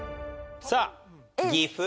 さあ岐阜。